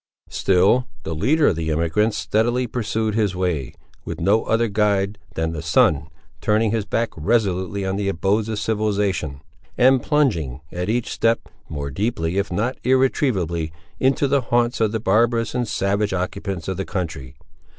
Still, the leader of the emigrants steadily pursued his way, with no other guide than the sun, turning his back resolutely on the abodes of civilisation, and plunging, at each step, more deeply if not irretrievably, into the haunts of the barbarous and savage occupants of the country.